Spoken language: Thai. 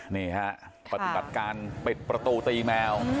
นี่ฮะปฏิบัติการปิดประตูตีแมว